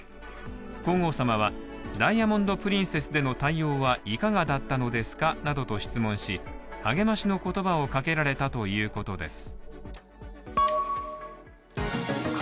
皇后さまは、「ダイヤモンド・プリンセス」での対応はいかがだったのですかなどと質問し、励ましの言葉をかけられたということです。